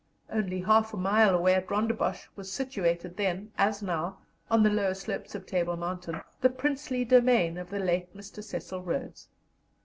Only half a mile away, at Rondebosch, was situated then, as now, on the lower slopes of Table Mountain, the princely domain of the late Mr. Cecil Rhodes.